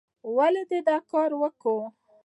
ولې یې دا کار وکه؟